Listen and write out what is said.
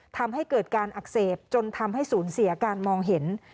ทำให้เกิดการอักเสบจนทำให้ศูนย์เสียการมองเห็น